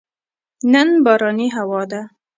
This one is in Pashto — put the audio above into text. نن بارانې هوا ده